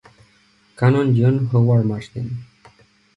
Canon John Howard Marsden.